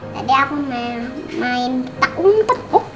tadi aku main petak umpet